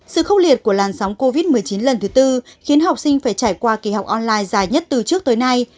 sự khốc liệt của làn sóng covid một mươi chín lần thứ tư khiến học sinh phải trải qua kỳ học online dài nhất từ trước tới nay